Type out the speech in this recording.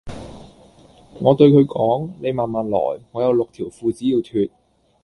我對佢講:你慢慢來,我有六條褲子要脫